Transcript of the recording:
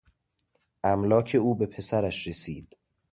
املاک او به پسرش رسید.